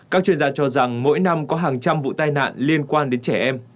các chuyên gia cho rằng mỗi năm có hàng trăm vụ tai nạn liên quan đến trẻ em